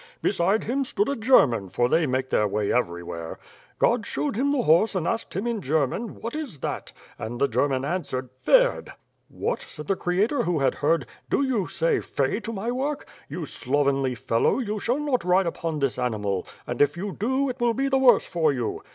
Beside him stood a German, for they make their way everywhere. God showed him the horse and asked him in German, ^What is that?' and the German answered, Tferd.' What, said the Creator, who had heard, *do you say Pfe^ to my work? You slovenly fellow, you shall not ride upon this animal and, if you do, it will be the worse for you.'